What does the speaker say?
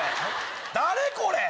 誰⁉これ！